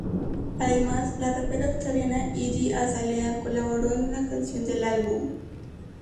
Además, la rapera australiana Iggy Azalea colaboró en una canción del álbum.